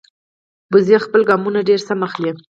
وزې خپل ګامونه ډېر سم اخلي